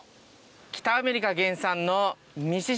北アメリカ原産の。